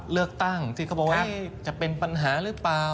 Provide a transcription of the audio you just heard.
เลือกตั้งที่เขาบอกว่าจะเป็นปัญหาหรือเปล่า